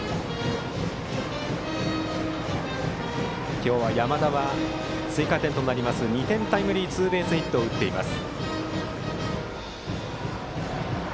今日、山田は追加点となる２点タイムリーツーベースヒット打っています。